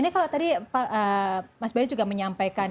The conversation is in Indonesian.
ini kalau tadi mas bayu juga menyampaikan